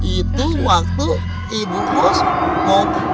itu waktu ibu bos